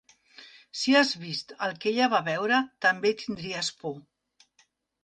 Si has vist el que ella va veure també tindries por